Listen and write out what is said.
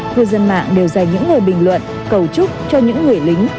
khu dân mạng đều dành những người bình luận cầu chúc cho những người lính